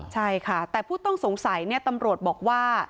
ใช่ค่ะแต่ผู้ต้องสงสัยตำรวจบอกว่า